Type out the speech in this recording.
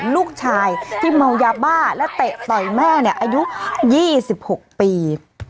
ลูกชายที่เมายาบ้าและเตะต่อยแม่เนี่ยอายุ๒๖ปี